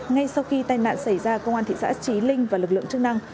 ngay sau khi tai nạn xảy ra công an thị xã trí linh và lực lượng chức năng